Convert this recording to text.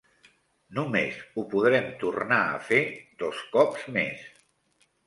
Només ho podrem tornar a fer dos cops més